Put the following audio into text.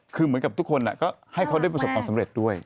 คือเหมือนกับทุกคนก็ให้เขาได้ประสบความสำเร็จด้วย